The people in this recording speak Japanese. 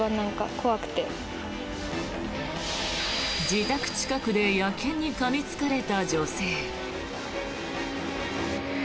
自宅近くで野犬にかみつかれた女性。